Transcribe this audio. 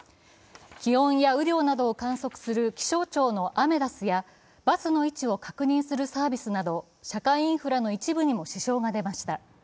気温や雨量などを観測する気象庁のアメダスやバスの位置を確認するサービスなど社会インフラの一部にも支障が出ました。